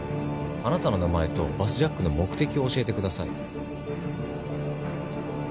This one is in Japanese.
あなたの名前とバスジャックの目的を教えてください。